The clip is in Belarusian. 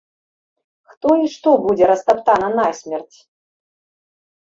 Хто і што будзе растаптана насмерць?!